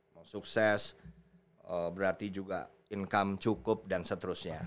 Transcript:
mau sukses berarti juga income cukup dan seterusnya